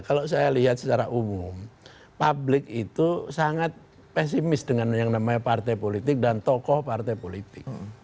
kalau saya lihat secara umum publik itu sangat pesimis dengan yang namanya partai politik dan tokoh partai politik